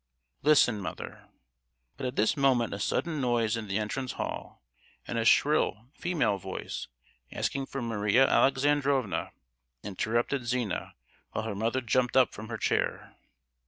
"Listen mother——" But at this moment a sudden noise in the entrance hall, and a shrill female voice, asking for Maria Alexandrovna, interrupted Zina, while her mother jumped up from her chair.